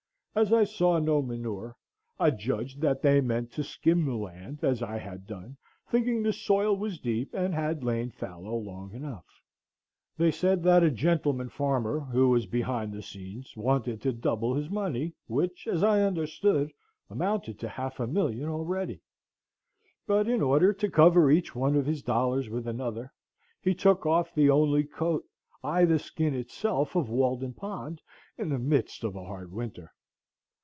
As I saw no manure, I judged that they meant to skim the land, as I had done, thinking the soil was deep and had lain fallow long enough. They said that a gentleman farmer, who was behind the scenes, wanted to double his money, which, as I understood, amounted to half a million already; but in order to cover each one of his dollars with another, he took off the only coat, ay, the skin itself, of Walden Pond in the midst of a hard winter.